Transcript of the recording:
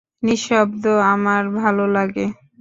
নিঃশব্দ আমার ভালো লাগে।